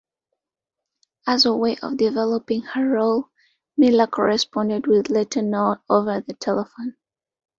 As a way of developing her role, Miller corresponded with Letourneau over the telephone.